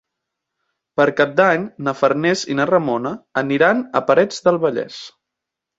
Per Cap d'Any na Farners i na Ramona aniran a Parets del Vallès.